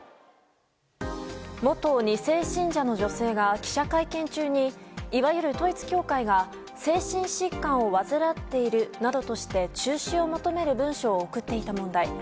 元２世信者の女性が記者会見中にいわゆる統一教会が精神疾患を患っているなどとして中止を求める文書を送っていた問題。